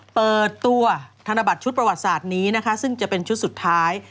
เปิดตัวธนบัตรชุดประวัติศาสตร์นี้นะคะซึ่งจะเป็นชุดสุดท้าย